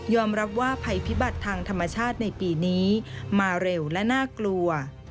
รับว่าภัยพิบัติทางธรรมชาติในปีนี้มาเร็วและน่ากลัว